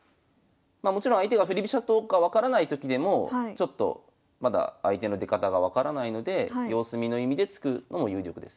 もちろん相手が振り飛車党か分からないときでもまだ相手の出方が分からないので様子見の意味で突くのも有力です。